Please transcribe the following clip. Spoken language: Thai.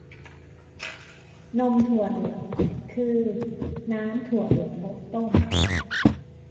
นมถั่วเหลือง คือน้ำถั่วเหลืองบดต้ม